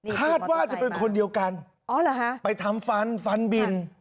ค่ะคาดว่าจะเป็นคนเดียวกันอ๋อเหรอฮะไปทำฟันฟันบิน